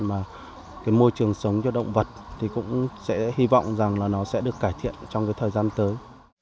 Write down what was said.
mà cái môi trường sống cho động vật thì cũng sẽ hy vọng rằng là nó sẽ được cải thiện trong cái thời gian tới